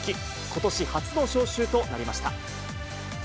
ことし初の招集となりました。